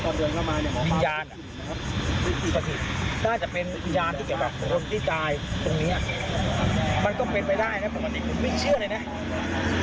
น่าจะเป็นวิญญาณที่เกี่ยวกับคนที่ตายตรงนี้มันก็เป็นไปได้นะผมไม่เชื่อเลยนะ